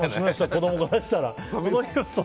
子供からしたら。